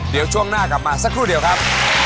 เดี๋ยวช่วงหน้ากลับมาสักครู่เดียวครับ